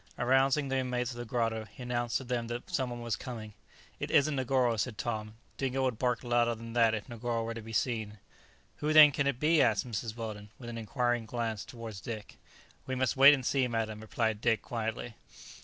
Arousing the inmates of the grotto, he announced to them that some one was coming. "It isn't Negoro," said Tom; "Dingo would bark louder than that if Negoro were to be seen." "Who, then, can it be?" asked Mrs. Weldon, with an inquiring glance towards Dick. "We must wait and see, madam," replied Dick quietly.